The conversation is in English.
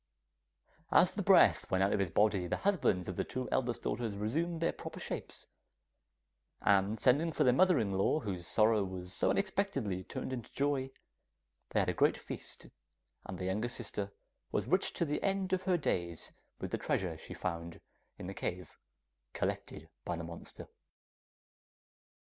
As the breath went out of his body the husbands of the two eldest daughters resumed their proper shapes, and, sending for their mother in law, whose sorrow was so unexpectedly turned into joy, they had a great feast, and the youngest sister was rich to the end of her days with the treasures she found in the cave, collected by the monster.